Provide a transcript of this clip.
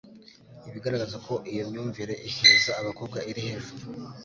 ibigaragaza ko iyo myumvire iheza abakobwa iri hejuru